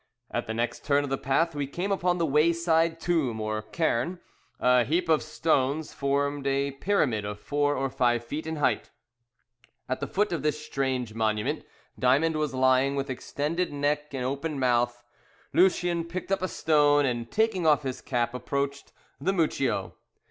At the next turn of the path we came upon the wayside tomb or cairn. A heap of stones formed a pyramid of four or five feet in height. At the foot of this strange monument Diamond was lying with extended neck and open mouth. Lucien picked up a stone, and taking off his cap approached the mucchio.